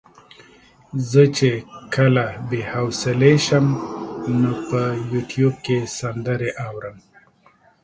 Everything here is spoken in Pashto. زه چې کله بې حوصلې شم نو په يوټيوب کې سندرې اورم.